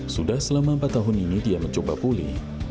sudah selama empat tahun ini dia mencoba pulih